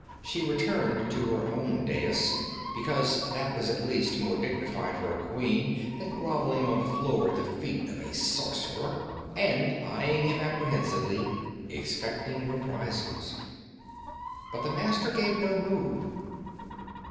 She returned to her own dais, because that was at least more dignified for a queen than groveling on the floor at the feet of a sorcerer, and eyed him apprehensively, expecting reprisals. But the Master made no move.